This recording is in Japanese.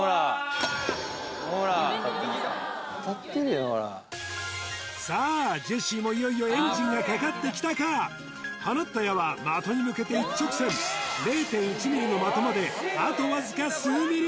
今こそほらさあジェシーもいよいよエンジンがかかってきたか放った矢は的に向けて一直線０．１ｍｍの的まであとわずか数ｍｍ